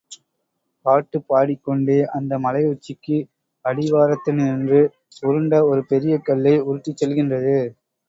பாட்டுப் பாடிக்கொண்டே அந்த மலை உச்சிக்கு அடிவாரத்தினின்று, உருண்ட ஒரு பெரிய கல்லை உருட்டிச் செல்கின்றது.